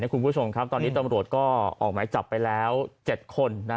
คุณผู้ชมครับตอนนี้ตำรวจก็ออกหมายจับไปแล้ว๗คน